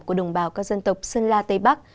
của đồng bào các dân tộc sơn la tây bắc